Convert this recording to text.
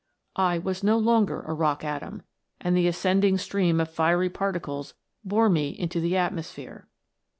I was no longer a rock atom, and the ascending stream of fiery particles bore me into the atmosphere.